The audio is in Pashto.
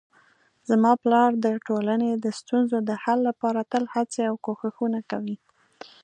زما پلار د ټولنې د ستونزو د حل لپاره تل هڅې او کوښښونه کوي